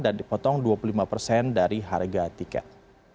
dan dipotong dua puluh lima persen dari harga tiket